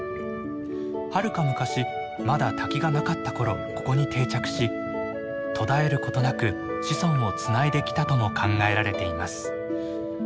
はるか昔まだ滝がなかった頃ここに定着し途絶えることなく子孫をつないできたとも考えられています。